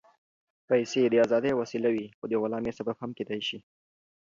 پېسې د ازادۍ وسیله وي، خو د غلامۍ سبب هم کېدای شي.